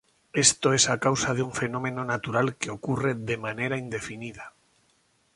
Esto es a causa de un fenómeno natural que ocurre de manera indefinida.